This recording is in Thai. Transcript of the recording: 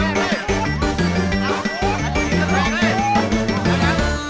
เฮ้ย